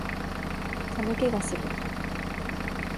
寒気がする